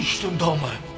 お前。